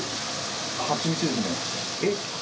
えっ？